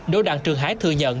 đỗ đặng trường hải thừa nhận